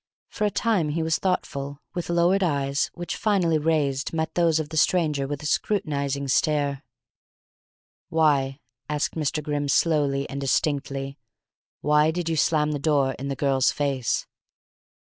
For a time he was thoughtful, with lowered eyes, which, finally raised, met those of the stranger with a scrutinizing stare. "Why," asked Mr. Grimm slowly and distinctly, "why did you slam the door in the girl's face?"